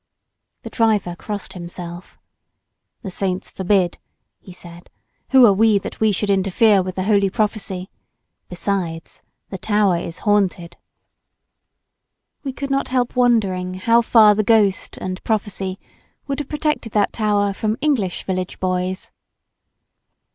The driver crossed himself. "The saints forbid!" be said; "who are we that we should interfere with the holy prophecy? Besides, the tower is haunted." We could not help wondering how far the ghost and prophecy would have protected that tower from English village boys.